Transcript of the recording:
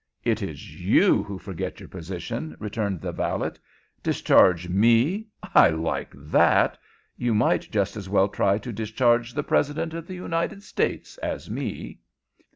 "It is you who forget your position," returned the valet. "Discharge me! I like that. You might just as well try to discharge the President of the United States as me."